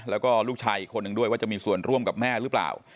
แล้วก็ลูกชายอีกคนหนึ่งด้วยว่าจะมีส่วนร่วมกับแม่หรือเปล่า